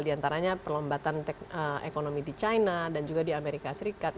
di antaranya perlombatan ekonomi di china dan juga di amerika serikat